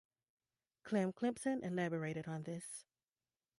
Clem Clempson elaborated on this.